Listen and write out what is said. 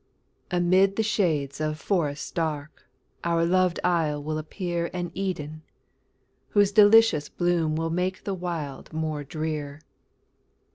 Amid the shades of forests dark, Our loved isle will appear An Eden, whose delicious bloom Will make the wild more drear.